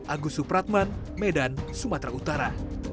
agus supratman medan sumatera utara